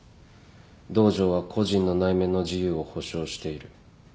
同条は個人の内面の自由を保障している。